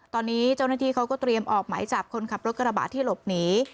ตอนนี้เจ้าหน้าที่เขาก็เตรียมออกหมายจับคนขับรถกระบะที่หลบหนี